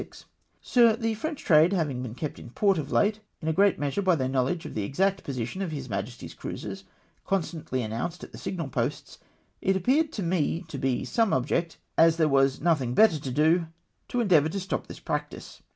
SiE, — The French trade having been kept in port of late, in a great measure by their knowledge of the exact position of his Majesty's cruisers, constantly announced at the signal posts ; it appeared to me to be some object, as there was nothing better to do, to endeavour to stop this practice.